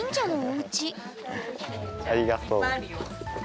あっありがとう。